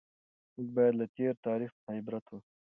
موږ باید له تېر تاریخ څخه عبرت واخلو.